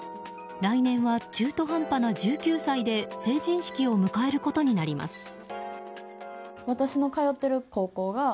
来年は中途半端な１９歳で成人式を迎えることになります。